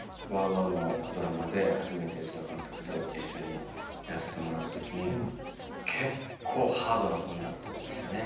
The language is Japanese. ＷＯＷＯＷのドラマで初めて内田監督と一緒にやらせてもらったときに結構ハードな本だったんですよね。